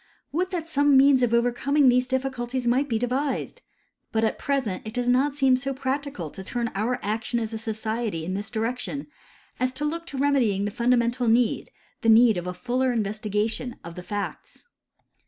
Would that some means of overcoming these difficulties might be devised ! But at present it does not seem so practical to turn our action as a society in this direction as to look to remedying the funda mental need — the need of a fuller investigation of the facts.